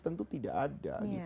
tentu tidak ada